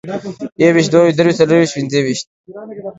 يوويشت، دوه ويشت، درویشت، څلرويشت، پنځه ويشت